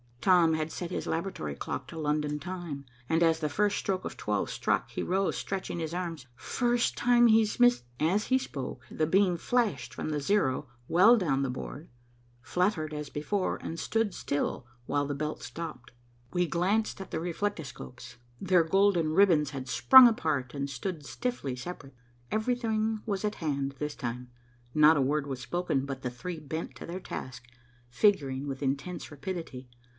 Tom had set his laboratory clock to London time, and as the first stroke of twelve struck he rose, stretching his arms. "First time he's mis " As he spoke, the beam flashed from the zero well down the board, fluttered as before, and stood still while the belt stopped. We glanced at the reflectoscopes. Their golden ribbons had sprung apart and stood stiffly separate. Everything was at hand this time. Not a word was spoken, but the three bent to their task, figuring with intense rapidity.